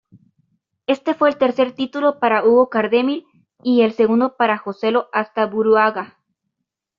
Por esto, la sentencia era predecible y política.